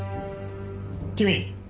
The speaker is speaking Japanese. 君！